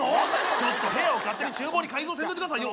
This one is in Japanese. ちょっと部屋を勝手にちゅう房に改造せんといて下さいよ。